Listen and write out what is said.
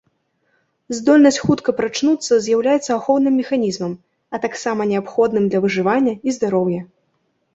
Здольнасць хутка прачнуцца з'яўляецца ахоўным механізмам, а таксама неабходным для выжывання і здароўя.